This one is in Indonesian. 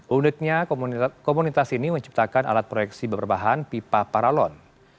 uniknya komunitas ini menciptakan alat proyeksi berbahan pipa paralon